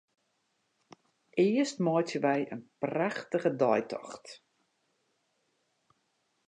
Earst meitsje wy in prachtige deitocht.